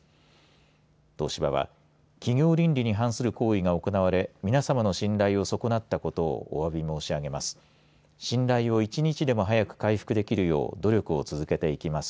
東芝は企業倫理に反する行為が行われ皆様の信頼を損なったことをおわび申し上げます。